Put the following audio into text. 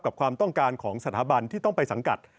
ความต้องการของสถาบันที่ต้องไปสังกัด